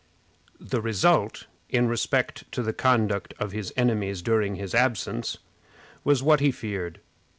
The result, in respect to the conduct of his enemies during his absence, was what he feared.